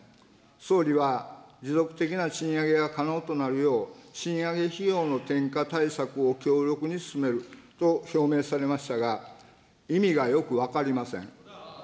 総理は持続的な賃上げが可能となるよう、賃上げ費用の転嫁対策を強力に進めると表明されましたが、意味がよく分かりません。